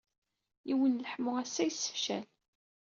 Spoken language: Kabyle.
Yiwen n leḥmu assa yessefcal.